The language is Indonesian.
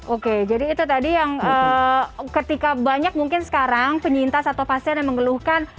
oke jadi itu tadi yang ketika banyak mungkin sekarang penyintas atau pasien yang mengeluhkan